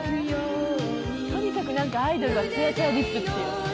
とにかくなんかアイドルはつやつやリップっていう。